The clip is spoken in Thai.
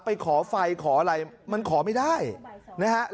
ไปขอไฟขออะไรมันขอไม่ได้นะฮะ